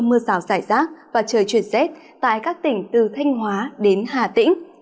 mưa rào rải rác và trời chuyển rét tại các tỉnh từ thanh hóa đến hà tĩnh